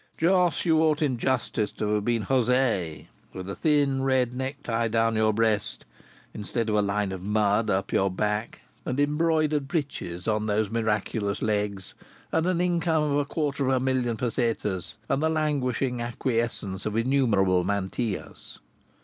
Jos, you ought in justice to have been José, with a thin red necktie down your breast (instead of a line of mud up your back), and embroidered breeches on those miraculous legs, and an income of a quarter of a million pesetas, and the languishing acquiescence of innumerable mantillas.